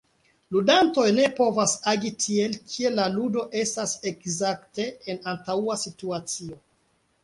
Ludantoj ne povas agi tiel, kiel la ludo estas ekzakte en antaŭa situacio.